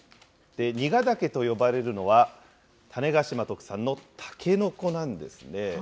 ニガダケと呼ばれるのは、種子島特産のたけのこなんですね。